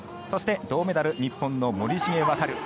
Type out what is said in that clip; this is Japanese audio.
そして、銅メダル日本の森重航。